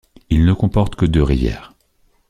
Il ne comporte que deux rivières.